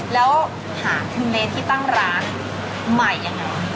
แล้วหาถึงเลสที่ตั้งร้านใหม่อย่างไร